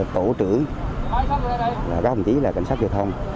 tổ trưởng các đồng chí là cảnh sát giao thông